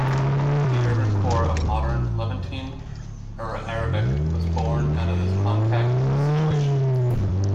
The urban core of modern Levantine Arabic was borne out of this contact situation.